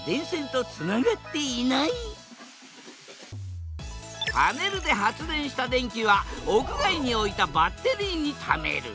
だからパネルで発電した電気は屋外に置いたバッテリーにためる。